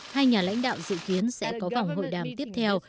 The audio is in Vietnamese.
hai nhà lãnh đạo dự kiến sẽ có vòng hội đàm tiếp theo